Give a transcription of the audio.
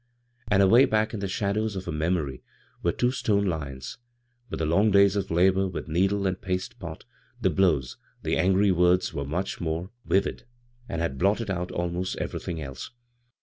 And away back in the shadows of her memory were two stone lions ; but the long days of labor with needle and paste pot, the blows, the angry words were much more vivid, and had blotted out almost everything else.